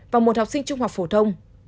và một học sinh trung học phổ thông